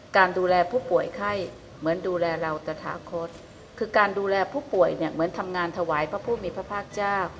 การดูแลผู้ป่วยไข้เหมือนดูแลเราตะถาคตคือการดูแลผู้ป่วยเนี่ยเหมือนทำงานถวายพระผู้มีพระภาคเจ้า